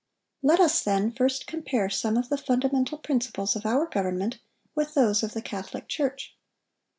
Let us, then, first compare some of the fundamental principles of our government with those of the Catholic Church.